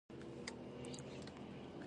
په نرمه ځای کښېنه، راحت به وي.